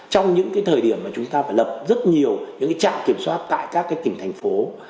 trong những cái thời điểm mà chúng ta phải lập rất nhiều những cái trạm kiểm soát tại các cái tỉnh thành phố